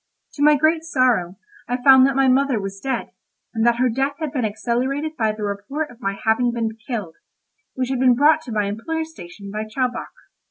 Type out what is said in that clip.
To my great sorrow I found that my mother was dead, and that her death had been accelerated by the report of my having been killed, which had been brought to my employer's station by Chowbok.